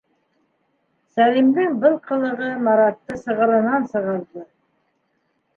Сәлимдең был ҡылығы Маратты сығырынан сығарҙы.